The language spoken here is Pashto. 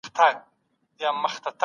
هغې خپل ارزښت پېژندلی دی.